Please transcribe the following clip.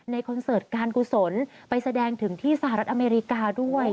คอนเสิร์ตการกุศลไปแสดงถึงที่สหรัฐอเมริกาด้วย